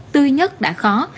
tươi nhất đã khó